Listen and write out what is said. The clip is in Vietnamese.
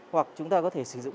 hoặc chúng ta có thể sử dụng